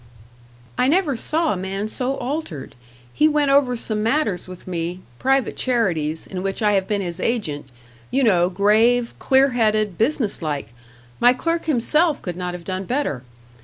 "I never saw a man so altered. He went over some matters with me private charities, in which I have been his agent, you know grave, clear headed, business like; my clerk himself could not have done better.